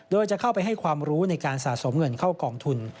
โดยจะเข้าไปให้ความรู้ในการสะสมเงินเข้ากองทุน